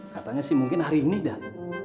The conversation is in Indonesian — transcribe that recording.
katanya sih mungkin hari ini dan